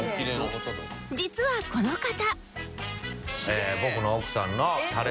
実はこの方